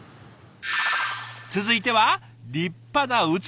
続いては立派な器！